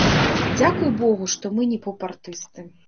Дзякуй богу, што мы не поп-артысты.